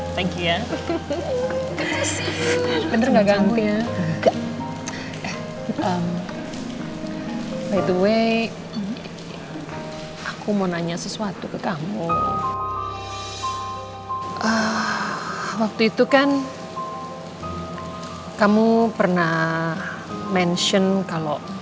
sampai jumpa di video selanjutnya